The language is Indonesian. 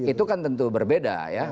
itu kan tentu berbeda ya